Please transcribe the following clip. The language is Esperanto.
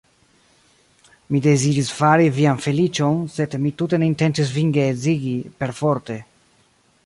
Mi deziris fari vian feliĉon, sed mi tute ne intencis vin geedzigi perforte.